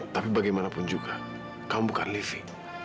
tapi bagaimanapun juga kamu bukan livi